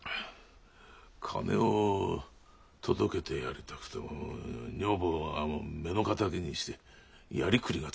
金を届けてやりたくても女房が目の敵にしてやりくりがつかないんだよ。